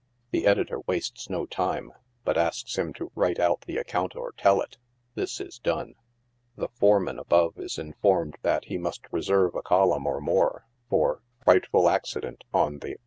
The editor wastes no time, but asks him to write out the account or tell it. This is done ; the foreman above is informed that he must reserve a column or more for Frightful Accident on the